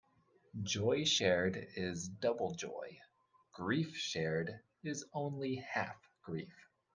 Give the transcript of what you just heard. Joy shared is double joy; grief shared is only half grief.